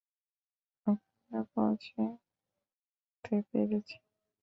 ওখানে পোঁছতে পেরেছি?